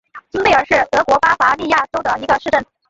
金贝格是德国巴伐利亚州的一个市镇。